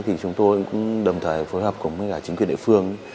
thì chúng tôi cũng đồng thời phối hợp cùng với cả chính quyền địa phương